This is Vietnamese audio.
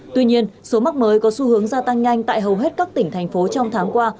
tuy nhiên số mắc mới có xu hướng gia tăng nhanh tại hầu hết các tỉnh thành phố trong tháng qua